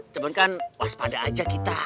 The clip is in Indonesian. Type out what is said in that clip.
teman kan waspada aja kita